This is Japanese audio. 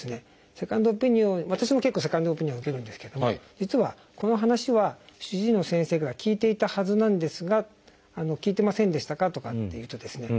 セカンドオピニオンを私も結構セカンドオピニオンを受けるんですけども実はこの話は主治医の先生から聞いていたはずなんですが聞いてませんでしたか？とかって言うとですね